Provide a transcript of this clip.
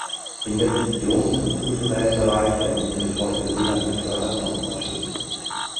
Investitionen im kulturellen Bereich werden nämlich heute weder gefördert noch unterstützt.